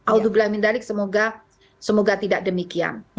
audhu billahi min dalik semoga tidak demikian